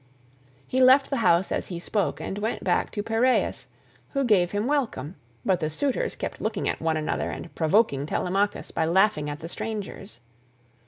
He left the house as he spoke, and went back to Piraeus who gave him welcome, but the suitors kept looking at one another and provoking Telemachus by laughing at the strangers.